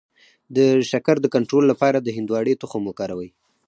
د شکر د کنټرول لپاره د هندواڼې تخم وکاروئ